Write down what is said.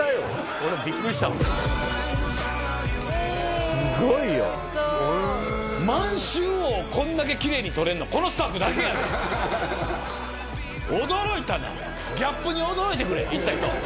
俺もビックリしたわえおいしそうすごいよ満州王こんだけきれいに撮れるのこのスタッフだけやで驚いたなギャップに驚いてくれ行った人